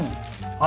あ！